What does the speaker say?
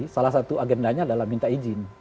salah satu agendanya adalah minta izin